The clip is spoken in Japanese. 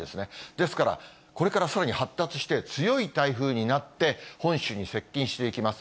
ですから、これからさらに発達して、強い台風になって、本州に接近していきます。